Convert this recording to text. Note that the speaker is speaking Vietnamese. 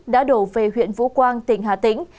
đã đổ về huyện vũ quang tỉnh hà tĩnh